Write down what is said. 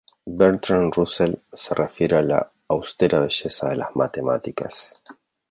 Bertrand Russell se refiere a la "austera belleza" de las matemáticas.